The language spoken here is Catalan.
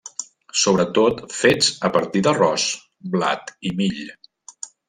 Sobretot fets a partir d’arròs, blat i mill.